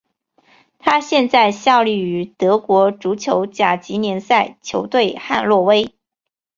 他现在效力于德国足球甲级联赛球队汉诺威。